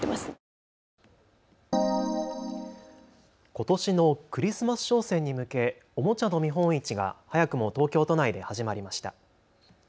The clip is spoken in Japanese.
ことしのクリスマス商戦に向けおもちゃの見本市が早くも東京都内で始まりました。